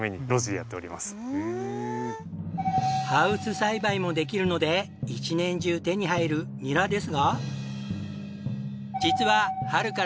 ハウス栽培もできるので一年中手に入るニラですが。